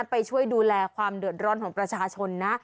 ไปช่วยดูแลความเดือดร้อนของประชาชนนะ